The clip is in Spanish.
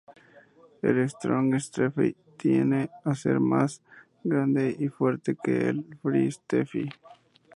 El "strong safety" tiende a ser más grande y fuerte que el "free safety".